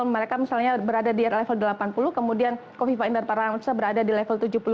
mereka misalnya berada di level delapan puluh kemudian kofifa indar parawansa berada di level tujuh puluh lima